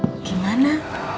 udah ketemu dompetnya